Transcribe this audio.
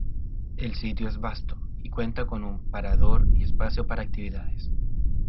El sitio es vasto, y cuenta con un parador y espacio para actividades.